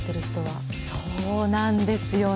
そうなんですよね。